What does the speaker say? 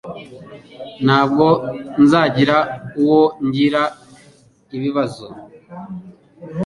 Ntabwo nzagira uwo ngira ibibazo